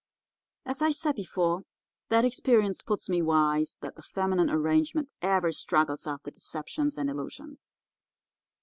"As I said before, that experience puts me wise that the feminine arrangement ever struggles after deceptions and illusions.